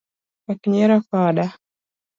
Wek nyiero koda